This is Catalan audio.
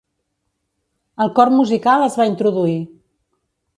El cor musical es va introduir.